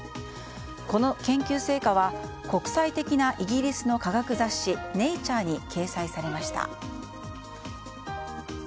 この研究成果は国際的なイギリスの科学雑誌「ネイチャー」に掲載されました。